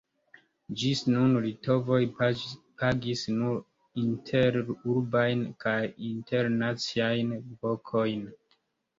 Ĝis nun litovoj pagis nur interurbajn kaj internaciajn vokojn.